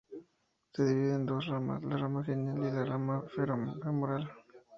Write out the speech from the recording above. Se divide en dos ramas, la rama genital y la rama femoral.